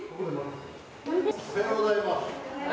おはようございます。